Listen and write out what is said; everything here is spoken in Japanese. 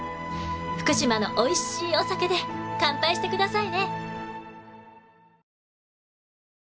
福島のおいしいお酒で乾杯してくださいね！